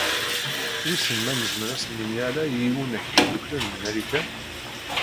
Wissen ma nezmer ad sen-nini ala i Iwunak Yedduklen n Marikan?